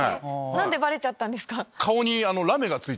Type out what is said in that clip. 何でバレちゃったんですか？